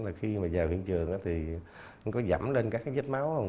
là khi mà vào hiện trường thì cũng có giảm lên các cái vết máu không